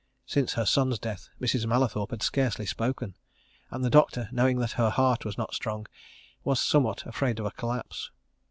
Since her son's death, Mrs. Mallathorpe had scarcely spoken, and the doctor, knowing that her heart was not strong, was somewhat afraid of a collapse.